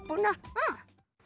うん。